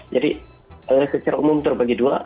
jadi secara umum terbagi dua